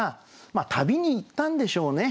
まあ旅に行ったんでしょうね。